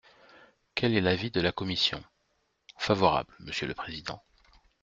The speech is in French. Quel est l’avis de la commission ? Favorable, monsieur le président.